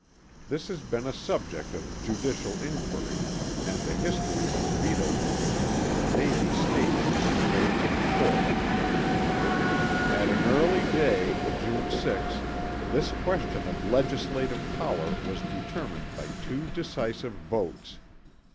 This has been a subject of judicial inquiry and the history of the veto provision may be stated in the words of the court: "At an early day, June 6, this question of legislative power was determined by two decisive votes.